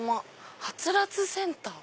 はつらつセンター！